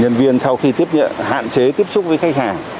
nhân viên sau khi tiếp nhận hạn chế tiếp xúc với khách hàng